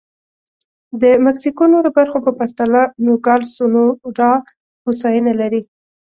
د مکسیکو نورو برخو په پرتله نوګالس سونورا هوساینه لري.